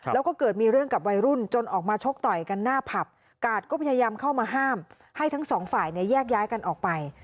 แล้วก็เกิดมีเรื่องกับวัยรุ่นจนออกมาชกต่อยกันหน้าผับกาดก็พยายามเข้ามาห้ามให้ทั้งสองฝ่ายเนี่ยแยกย้ายกันออกไป